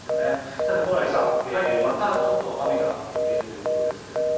さて、蓬莱さん、またちょっと雨が降っているということですけれども。